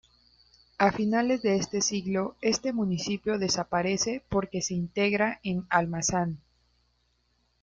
A finales de este siglo este municipio desaparece porque se integra en Almazán.